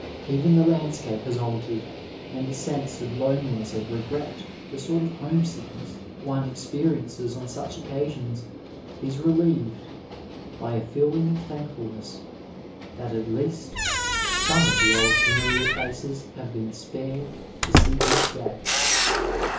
Even the landscape has altered, and the sense of loneliness and regret, the sort of homesickness one experi ences on such occasions, is relieved by a feeling of thankful ness that at least some of the old familiar faces have been spared to see this day.